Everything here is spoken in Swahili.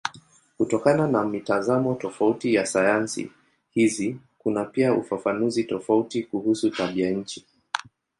Kutokana na mitazamo tofauti ya sayansi hizi kuna pia ufafanuzi tofauti kuhusu tabianchi.